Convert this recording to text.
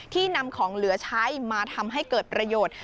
นำของเหลือใช้มาทำให้เกิดประโยชน์